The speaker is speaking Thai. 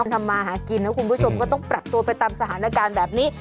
ทำมาหากินนะคุณผู้ชมก็ต้องปรับตัวไปตามสถานการณ์แบบนี้